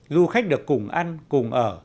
du khách được cùng ăn cùng ở